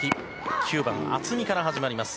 ９番、渥美から始まります。